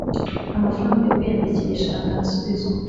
Amafaranga yo kwiyandikisha ntasubizwa